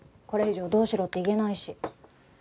これ以上どうしろって言えないし。